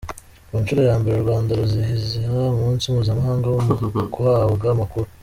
Ku nshuro ya mbere u Rwanda ruzizihiza umunsi mpuzamahanga wo guhabwa amakuru